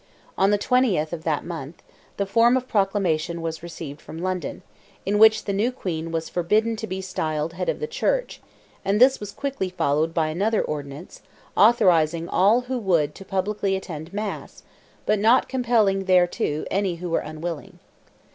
On the 20th of that month, the form of proclamation was received from London, in which the new Queen was forbidden to be styled "head of the church," and this was quickly followed by another ordinance, authorizing all who would to publicly attend Mass, but not compelling thereto any who were unwilling.